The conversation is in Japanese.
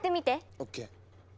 ＯＫ。